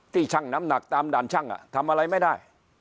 ชั่งน้ำหนักตามด่านช่างทำอะไรไม่ได้